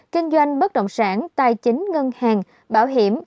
kinh doanh bất động sản tài chính ngân hàng bảo hiểm